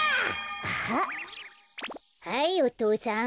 あっはいお父さん。